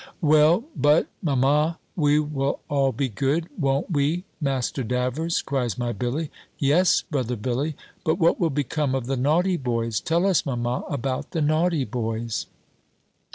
"Well, but, mamma, we will all be good: Won't we, Master Davers?" cries my Billy. "Yes, brother Billy. But what will become of the naughty boys? Tell us, mamma, about the naughty boys!"